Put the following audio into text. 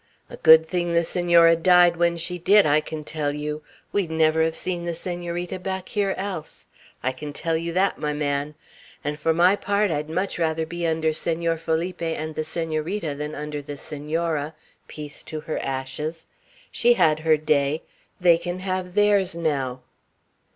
A good thing the Senora died when she did, I can tell you! We'd never have seen the Senorita back here else; I can tell you that, my man! And for my part, I'd much rather be under Senor Felipe and the Senorita than under the Senora, peace to her ashes! She had her day. They can have theirs now."